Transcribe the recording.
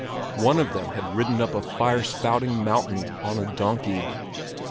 One of them had ridden up a fire spouting mountain on a donkey.